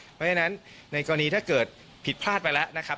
เพราะฉะนั้นในกรณีถ้าเกิดผิดพลาดไปแล้วนะครับ